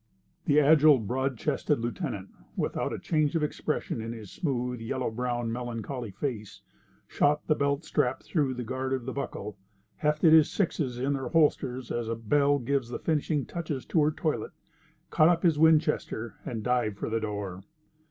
The agile, broad chested lieutenant, without a change of expression in his smooth, yellow brown, melancholy face, shot the belt strap through the guard of the buckle, hefted his sixes in their holsters as a belle gives the finishing touches to her toilette, caught up his Winchester, and dived for the door.